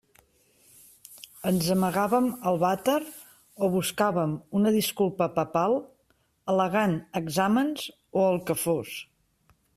Ens amagàvem al vàter o buscàvem una disculpa papal al·legant exàmens o el que fos.